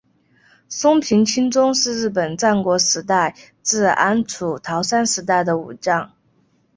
松平清宗是日本战国时代至安土桃山时代的武将。